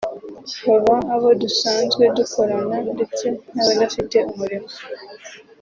baba abo dusanzwe dukorana ndetse n’abadafite umurimo